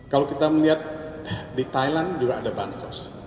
kalau kita melihat di thailand juga ada bansos